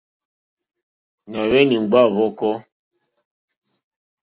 Nà hweni ŋgba hvɔ̀kɔ.